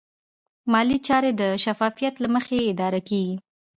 مالي چارې د شفافیت له مخې اداره کېږي.